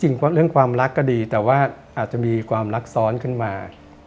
จริงก็เรื่องความรักก็ดีแต่ก็มีแต่ว่าอาจจะมีความรักซ้อนขึ้นมา